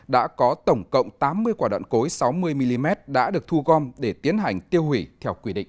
đã có tổng cộng tám mươi quả đạn cối sáu mươi mm đã được thu gom để tiến hành tiêu hủy theo quy định